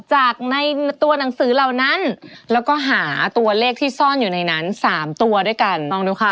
จากในตัวหนังสือเหล่านั้นแล้วก็หาตัวเลขที่ซ่อนอยู่ในนั้นสามตัวด้วยกันลองดูค่ะ